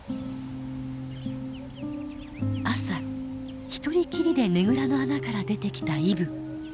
朝独りきりでねぐらの穴から出てきたイブ。